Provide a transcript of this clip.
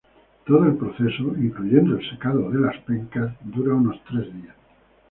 Todo el proceso, incluyendo el secado de las pencas, dura unos tres días.